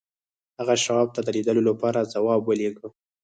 هغه شواب ته د لیدلو لپاره ځواب ولېږه